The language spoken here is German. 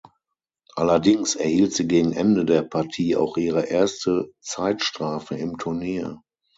Allerdings erhielt sie gegen Ende der Partie auch ihre erste Zeitstrafe im Turnier.